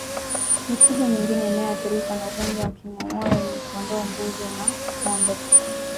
Mifugo mingine inayoathirika na ugonjwa wa majimoyo ni kondoo mbuzi na ngombe